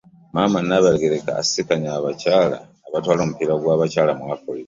Maama Nnaabagereka asisinkanye omukyala atwala omupiira gw'abakyala mu Afirika.